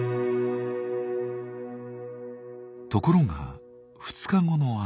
ところが２日後の朝。